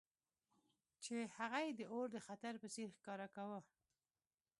چې هغه یې د اور د خطر په څیر ښکاره کاوه